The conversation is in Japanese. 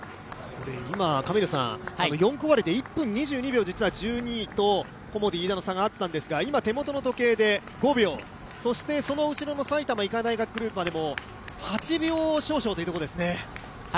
今、４区終わりで１分２２秒、１２位とコモディイイダの差があったんですが、今５秒、その後ろの埼玉医科大学グループまで８秒少々というところですね。